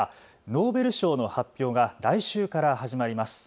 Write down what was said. ノーベル賞の発表が来週から始まります。